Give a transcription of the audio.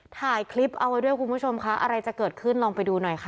ถ่ายคลิปเอาไว้ด้วยคุณผู้ชมค่ะอะไรจะเกิดขึ้นลองไปดูหน่อยค่ะ